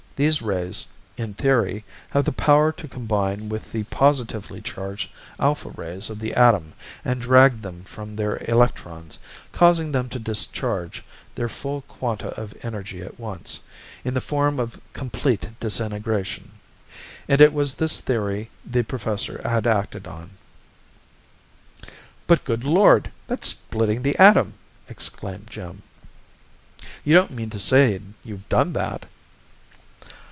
These rays, in theory, have the power to combine with the positively charged alpha rays of the atom and drag them from their electrons, causing them to discharge their full quanta of energy at once, in the form of complete disintegration and it was this theory the professor had acted on. "But, good Lord that's splitting the atom!" exclaimed Jim. "You don't mean to say you've done that?"